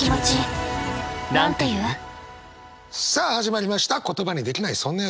さあ始まりました「言葉にできない、そんな夜。」。